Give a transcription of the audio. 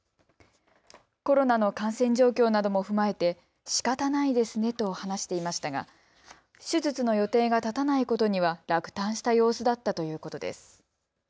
コロナの感染状況なども踏まえてしかたないですねと話していましたが手術の予定が立たないことには落胆した様子だったということです。